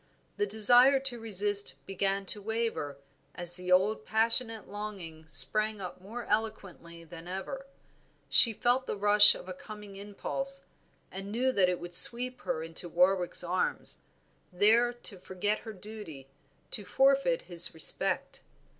The desire to resist began to waver as the old passionate longing sprang up more eloquent than ever; she felt the rush of a coming impulse, knew that it would sweep her into Warwick's arms, there to forget her duty, to forfeit his respect.